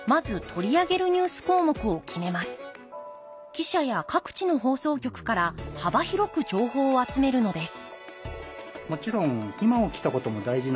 記者や各地の放送局から幅広く情報を集めるのです